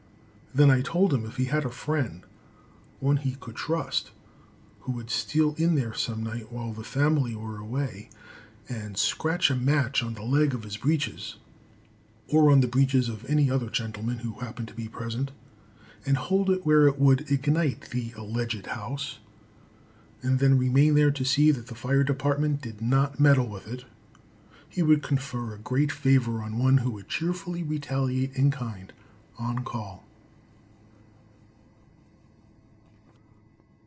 Then I told him that if he had a friend one he could trust who would steal in there some night while the family were away, and scratch a match on the leg of his breeches, or on the breeches of any other gentleman who happened to be present, and hold it where it would ignite the alleged house, and then remain near there to see that the fire department did not meddle with it, he would confer a great favor on one who would cheerfully retaliate in kind on call.